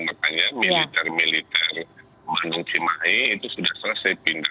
makanya militer militer bandung cimahi itu sudah selesai pindah